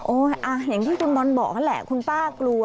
อย่างที่คุณบอลบอกนั่นแหละคุณป้ากลัว